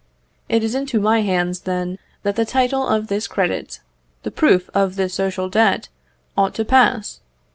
It is into my hands, then, that the title of this credit the proof of this social debt ought to pass.